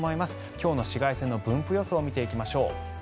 今日の紫外線の分布予想を見ていきましょう。